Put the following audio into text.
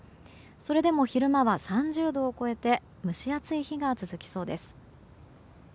それでも昼間は３０度を超えて蒸し暑い日が続きそうです。